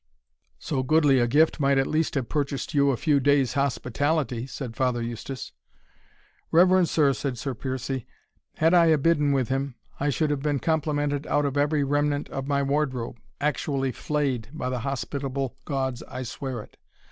"So goodly a gift might at least have purchased you a few days' hospitality," said Father Eustace. "Reverend sir," said Sir Piercie, "had I abidden with him, I should have been complimented out of every remnant of my wardrobe actually flayed, by the hospitable gods I swear it!